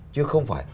chứ không phải